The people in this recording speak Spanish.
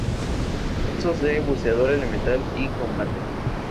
Cursos de Buceador elemental y combate.